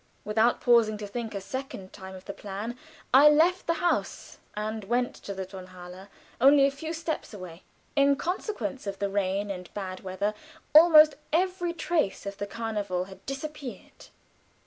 Without pausing to think a second time of the plan, I left the house and went to the Tonhalle, only a few steps away. In consequence of the rain and bad weather almost every trace of the carnival had disappeared.